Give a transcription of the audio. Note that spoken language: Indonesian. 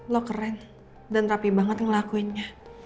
lo keren dan rapi banget ngelakuinnya